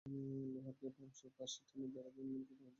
লোহার গেট অংশের পাশে টিনের বেড়া দিয়ে নির্মাণ করা হয়েছে গরুর খামার।